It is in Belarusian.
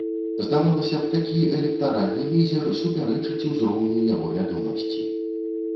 Здавалася б, такі электаральны мізер супярэчыць узроўню яго вядомасці.